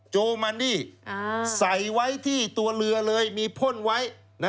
โจมันดี้ใส่ไว้ที่ตัวเรือเลยมีพ่นไว้